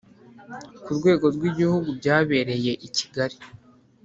Ku rwego rw’ Igihugu byabereye I Kigali.